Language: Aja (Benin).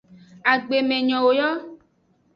Agbemenyowo yo.